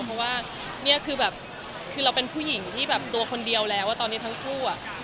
เพราะว่านี่คือแบบคือเราเป็นผู้หญิงที่แบบตัวคนเดียวแล้วตอนนี้ทั้งคู่อะ